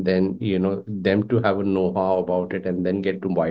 dan mereka harus memiliki pengetahuan tentang produk tersebut